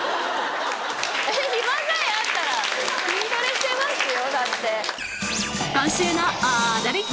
えっ暇さえあったら筋トレしてますよだって。